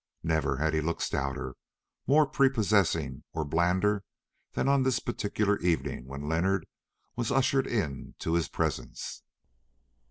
Never had he looked stouter, more prepossessing, or blander than on this particular evening when Leonard was ushered into his presence.